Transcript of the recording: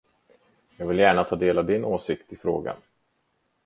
Jag vill gärna ta del av din åsikt i frågan.